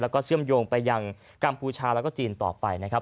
แล้วก็เชื่อมโยงไปยังกัมพูชาแล้วก็จีนต่อไปนะครับ